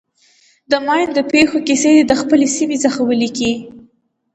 د ماین د پېښو کیسې دې د خپلې سیمې څخه ولیکي.